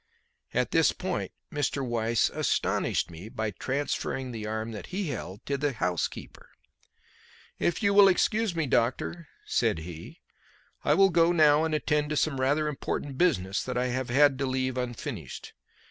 At this point Mr. Weiss astonished me by transferring the arm that he held to the housekeeper. "If you will excuse me, doctor," said he, "I will go now and attend to some rather important business that I have had to leave unfinished.